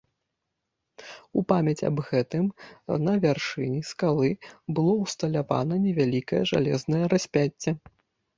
У памяць аб гэтым на вяршыні скалы было ўсталявана невялікае жалезнае распяцце.